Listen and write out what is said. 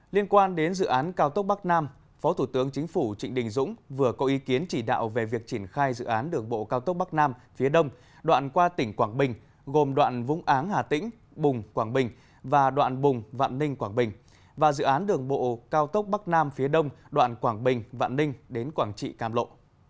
liên quan đến dự án cao tốc bắc nam phó thủ tướng chính phủ trịnh đình dũng vừa có ý kiến chỉ đạo về việc triển khai dự án đường bộ cao tốc bắc nam phía đông đoạn qua tỉnh quảng bình gồm đoạn vung áng hà tĩnh bùng quảng bình và đoạn bùng vạn ninh quảng bình và dự án đường bộ cao tốc bắc nam phía đông đoạn quảng bình vạn ninh đến quảng trị cam lộ